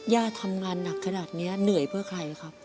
ทำงานหนักขนาดนี้เหนื่อยเพื่อใครครับ